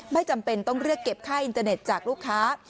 ไม่จำเป็นต้องเรียกเก็บค่าอินเตอร์เน็ตจากลูกค้า